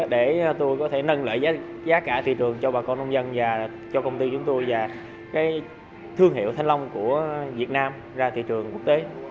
để tôi có thể nâng lợi giá cả thị trường cho bà con nông dân và cho công ty chúng tôi và thương hiệu thanh long của việt nam ra thị trường quốc tế